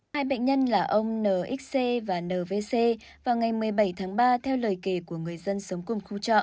hai bệnh nhân là ông nxc và nvc vào ngày một mươi bảy tháng ba theo lời kể của người dân sống cùng khu trọ